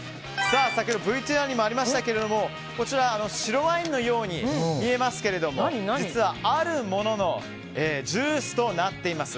先ほどＶＴＲにもありましたが白ワインのように見えますが実はあるもののジュースとなっています。